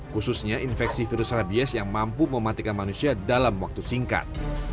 khususnya infeksi virus rabies yang mampu mematikan manusia dalam waktu singkat